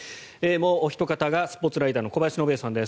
もうおひと方がスポーツライターの小林信也さんです。